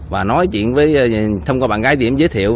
và nói chuyện với thông qua bạn gái để giới thiệu